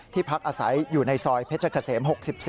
พักอาศัยอยู่ในซอยเพชรเกษม๖๔